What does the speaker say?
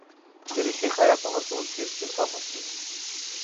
دریشي خیاط ته ورکول کېږي چې سم شي.